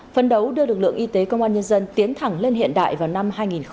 phấn đấu đưa lực lượng y tế công an nhân dân tiến thẳng lên hiện đại vào năm hai nghìn ba mươi